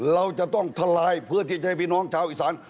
เราจะต้องทลายเพื่อที่จะให้พี่น้องชาวอีสาน